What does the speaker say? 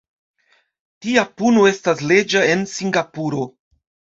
Tia puno estas leĝa en Singapuro.